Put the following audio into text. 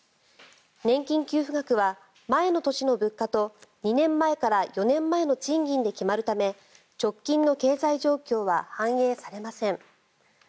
年金給付額は前の年の物価と２年前から４年前の賃金で決まるため直近の経済状況は反映されません。